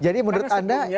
jadi menurut anda